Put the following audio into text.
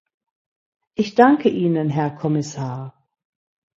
Ich danke Ihnen, Herr Kommissar.